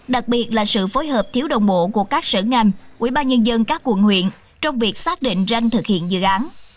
đặc biệt là sự phối hợp thiếu đồng bộ của các sở ngành quỹ ba nhân dân các quận huyện trong việc xác định ranh thực hiện dự án